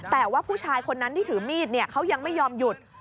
แต่ว่าผู้ชายคนนั้นที่ถือมีดเขายังไม่ยอมหยุด